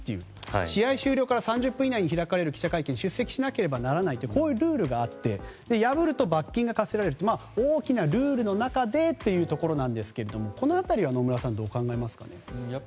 試合終了から３０分以内に開かれる会見に出席しなければならないっていうルールがあって破ると罰金という大きなルールの中でというところですがこの辺りは野村さんはどう考えますか？